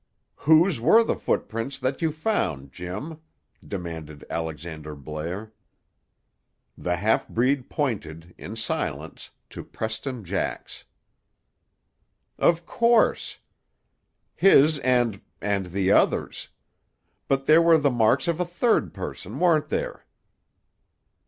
"Whose were the footprints, that you found, Jim?" demanded Alexander Blair. The half breed pointed, in silence, to Preston Jax. "Of course. His and—and the other's. But there were the marks of a third person, weren't there?"